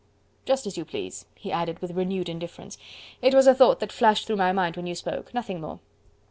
Just as you please," he added with renewed indifference. "It was a thought that flashed through my mind when you spoke nothing more."